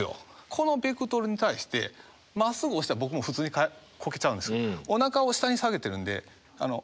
このベクトルに対してまっすぐ押したら僕も普通にこけちゃうんですよ。